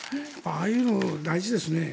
ああいうのは大事ですね。